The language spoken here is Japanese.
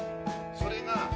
それが。